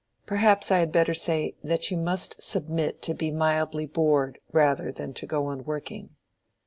Perhaps I had better say, that you must submit to be mildly bored rather than to go on working."